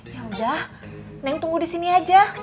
yaudah neng tunggu di sini aja